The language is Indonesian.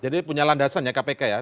jadi punya landasan ya kpk ya